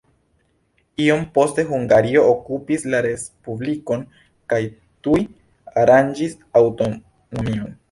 Iom poste Hungario okupis la respublikon kaj tuj aranĝis aŭtonomion.